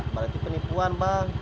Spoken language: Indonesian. berarti penipuan bang